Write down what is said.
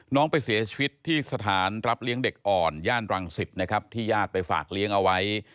น้องไปเสียชีวิตที่สถานรับเลี้ยงเด็กอ่อนย่านรังสิตนะครับที่ญาติไปฝากเลี้ยงเอาไว้